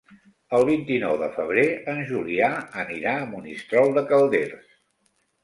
El vint-i-nou de febrer en Julià anirà a Monistrol de Calders.